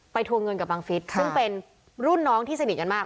ทวงเงินกับบังฟิศซึ่งเป็นรุ่นน้องที่สนิทกันมาก